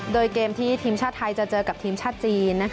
โดยเกมที่ทีมชาติไทยจะเจอกับทีมชาติจีน